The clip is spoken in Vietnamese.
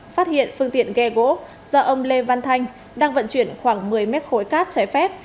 phát hiện phương tiện ghe gỗ do ông lê văn thanh đang vận chuyển khoảng một mươi mét khối cát trái phép